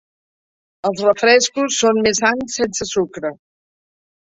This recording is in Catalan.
Els refrescos són més sans sense sucre.